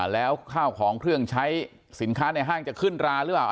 แล้วข้าวของเครื่องใช้สินค้าในห้างจะขึ้นราหรือเปล่า